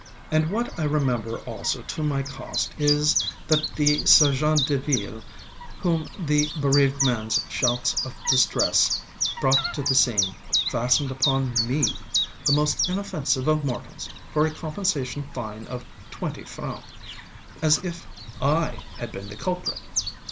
And what I remember also to my cost is, that the sergent de ville, whom the bereaved manŌĆÖs shouts of distress brought to the scene, fastened upon me, the most inoffensive of mortals, for a compensation fine of twenty francs, as if I had been the culprit.